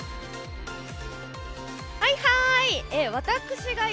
はいはい！